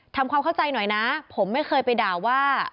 ทำความเข้าใจหน่อยนะผมไม่เคยไปด่าว่า